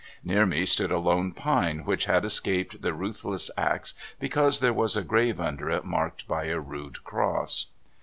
Near me stood a lone pine which had escaped the ruthless ax because there was a grave under it marked by a rude cross.